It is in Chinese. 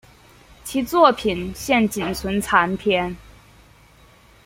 其作品现仅存残篇。